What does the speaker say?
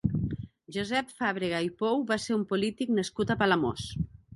Josep Fàbrega i Pou va ser un polític nascut a Palamós.